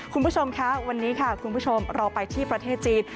คุณผู้ชมคะวันนี้ค่ะคุณผู้ชมเราไปที่ประเทศจีน